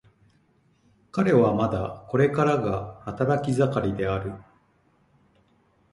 彼はまだこれからが働き盛りである。